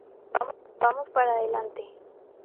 Vamos para adelante!